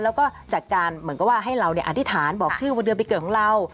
แล้วก็จัดการเหมือนกับว่าให้เราอธิษฐานบอกชื่อวันเดือนปีเกิดของเรา